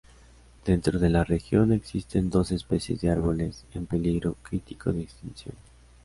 Dentro de la región existen doce especies de árboles en peligro crítico de extinción.